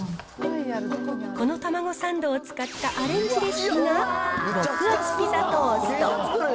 このたまごサンドを使ったアレンジレシピが極厚ピザトースト。